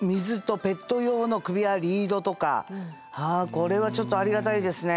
ああこれはちょっとありがたいですね。